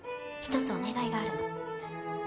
一つお願いがあるの。